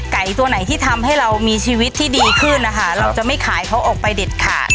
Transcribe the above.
ตัวไหนที่ทำให้เรามีชีวิตที่ดีขึ้นนะคะเราจะไม่ขายเขาออกไปเด็ดขาด